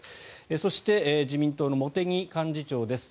そして自民党の茂木幹事長です。